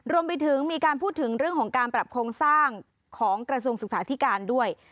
รวมไปถึงมีการพูดถึงเรื่องของการปรับโครงสร้างของกระทรวงศึกษาธิการด้วย